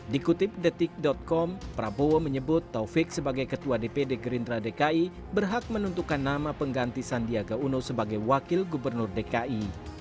dikutip detik com prabowo menyebut taufik sebagai ketua dpd gerindra dki berhak menentukan nama pengganti sandiaga uno sebagai wakil gubernur dki